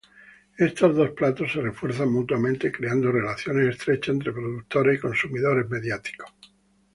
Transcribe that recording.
Estos dos planos se refuerzan mutuamente, creando relaciones estrechas entre productores y consumidores mediáticos.